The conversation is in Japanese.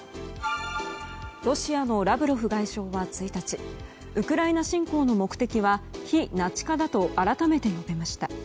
ロシアのラブロフ外相は１日ウクライナ侵攻の目的は非ナチ化だと改めて述べました。